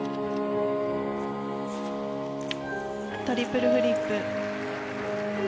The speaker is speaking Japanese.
トリプルフリップ。